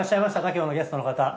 今日のゲストの方。